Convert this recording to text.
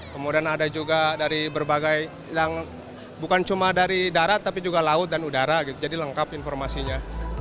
kemudian ada juga dari berbagai yang bukan cuma dari darat tapi juga laut dan udara jadi lengkap informasinya